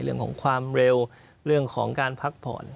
เรื่องของความเร็วเรื่องของการพักผ่อน